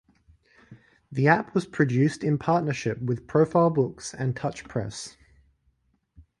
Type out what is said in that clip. The app was produced in partnership with Profile Books and Touch Press.